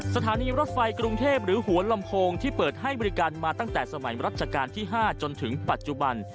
สถานีรถไฟกรุงเทพหรือหัวลำโพงที่เปิดให้บริการมาตั้งแต่สมัยรัชกาลที่๕จนถึงปัจจุบัน